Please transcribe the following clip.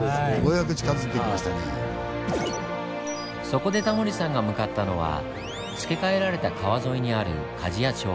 そこでタモリさんが向かったのは付け替えられた川沿いにある加治屋町。